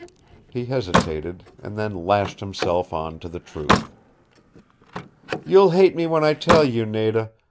] He hesitated, and then lashed himself on to the truth. "You'll hate me when I tell you, Nada.